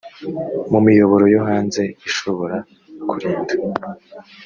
mu miyoboro yo hanze ishobora kurinda